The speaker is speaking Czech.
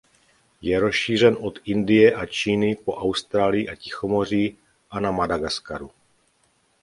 Je rozšířen od Indie a Číny po Austrálii a Tichomoří a na Madagaskaru.